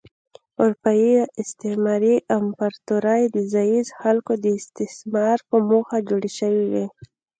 اروپايي استعماري امپراتورۍ د ځايي خلکو د استثمار په موخه جوړې شوې وې.